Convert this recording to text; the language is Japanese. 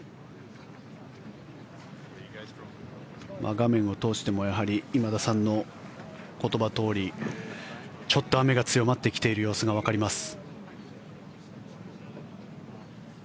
画面を通してもやはり今田さんの言葉のとおりちょっと雨が強まってきている様子がわかります。